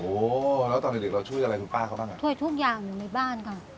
โอ้แล้วตอนเด็กเราช่วยอะไรคุณป้าเขาบ้างอ่ะช่วยทุกอย่างอยู่ในบ้านค่ะ